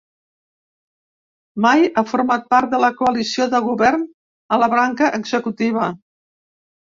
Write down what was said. Mai ha format part de la coalició de govern a la branca executiva.